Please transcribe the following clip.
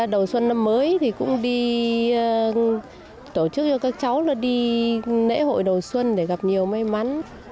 đầu xuân năm mới thì cũng đi tổ chức cho các cháu đi lễ hội đầu xuân để gặp nhiều may mắn